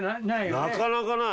なかなかない！